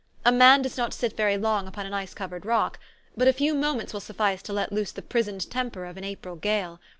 A man does not sit very long upon an ice covered rock ; but a few moments will suffice to let loose the prisoned temper of an April gale.